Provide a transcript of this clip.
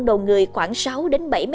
đầu người khoảng sáu đến bảy m hai